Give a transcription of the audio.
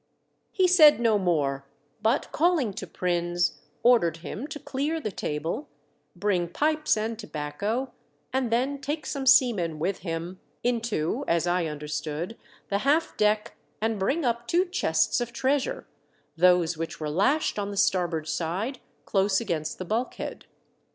He said no more, but calling to Prins, ordered him to clear the table, bring pipes and tobacco, and then take some seamen with VANDEKDECKEN EXHIBITS SOME TREASURE. l8l him into — as I understood — the half deck and bring up two chests of treasure, those which were lashed on the starboard side, close against the bulkhead.